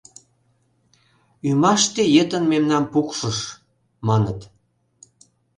— Ӱмаште йытын мемнам пукшыш, — маныт.